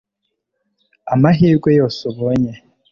amahirwe yose ubonye